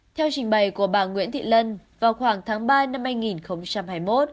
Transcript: theo trình bày của bà nguyễn thị lân vào khoảng tháng ba năm hai nghìn hai mươi một